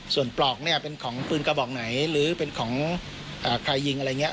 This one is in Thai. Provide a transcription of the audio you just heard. ส่วนปลอกเนี่ยเป็นของปืนกระบอกไหนหรือเป็นของใครยิงอะไรอย่างนี้